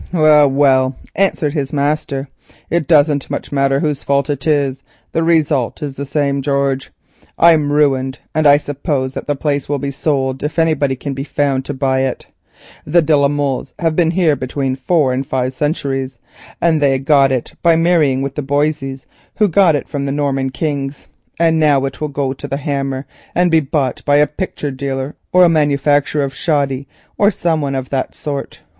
"Well, well," answered his master, "it doesn't much matter whose fault it is, the result is the same, George; I'm ruined, and I suppose that the place will be sold if anybody can be found to buy it. The de la Molles have been here between four and five centuries, and they got it by marriage with the Boisseys, who got it from the Norman kings, and now it will go to the hammer and be bought by a picture dealer, or a manufacturer of brandy, or someone of that sort.